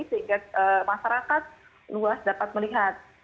sehingga masyarakat luas dapat melihat